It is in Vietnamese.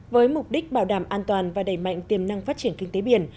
với mục đích bảo đảm an toàn và đẩy mạnh tiềm năng phát triển kinh tế biển